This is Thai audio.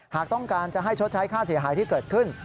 หากต้องการจะให้ชดใช้ค่าเสียหายที่เกิดขึ้น